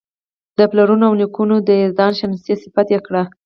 د پلرونو او نیکونو د یزدان شناسۍ صفت یې کړی.